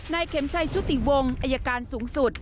เข็มชัยชุติวงศ์อายการสูงสุด